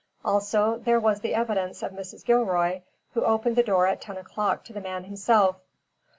Also there was the evidence of Mrs. Gilroy, who opened the door at ten o'clock to the man himself.